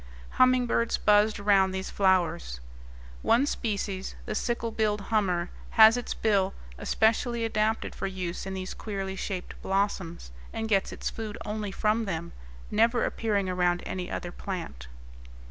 Humming birds buzzed round these flowers; one species, the sickle billed hummer, has its bill especially adapted for use in these queerly shaped blossoms and gets its food only from them, never appearing around any other plant.